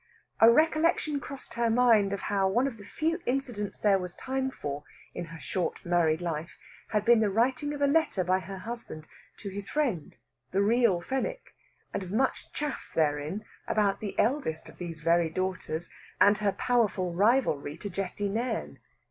A recollection crossed her mind of how one of the few incidents there was time for in her short married life had been the writing of a letter by her husband to his friend, the real Fenwick, and of much chaff therein about the eldest of these very daughters, and her powerful rivalry to Jessie Nairn.